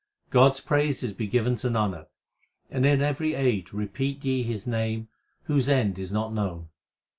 God s praises be given to Nanak, and in every age repeat ye His name whose end is not known.